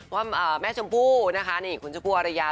ว่าแม่ชมพู่นะคะนี่คุณชมพูอารยา